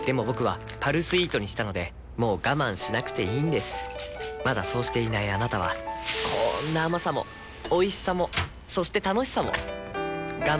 僕は「パルスイート」にしたのでもう我慢しなくていいんですまだそうしていないあなたはこんな甘さもおいしさもそして楽しさもあちっ。